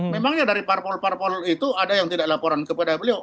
memangnya dari parpol parpol itu ada yang tidak laporan kepada beliau